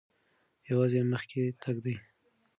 یوازې مخکې تګ دی.